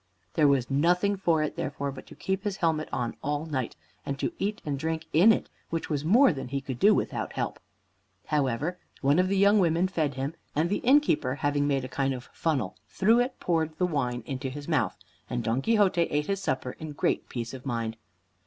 There was nothing for it, therefore, but to keep his helmet on all night, and to eat and drink in it, which was more than he could do without help. However, one of the young women fed him, and the innkeeper having made a kind of funnel, through it poured the wine into his mouth, and Don Quixote ate his supper in great peace of mind.